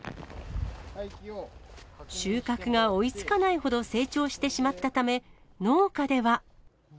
収穫が追いつかないほど成長してしまったため、農家では。